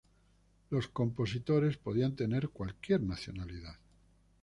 Los compositores podían tener cualquier nacionalidad.